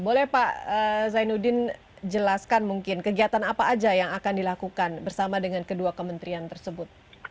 boleh pak zainuddin jelaskan mungkin kegiatan apa saja yang akan dilakukan bersama dengan kedua kementerian tersebut